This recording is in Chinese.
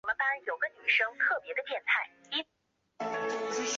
越南史料中称她为玉云。